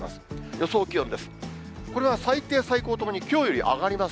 予想気温です。